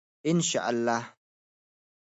انشاءالله.